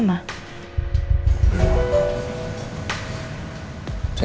kamu harus berbicara sama mama